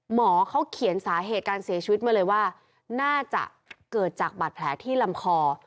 หมอเขาเขียนสาเหตุการเสียชีวิตมาเลยว่าน่าจะเกิดจากบาดแผลที่ลำคอ